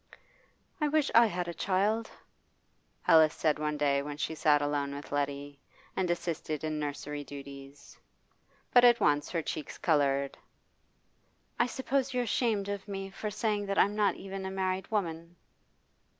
'I wish I had a child,' Alice said one day when she sat alone with Letty, and assisted in nursery duties. But at once her cheeks coloured. 'I suppose you're ashamed of me for saying that I'm not even a married woman.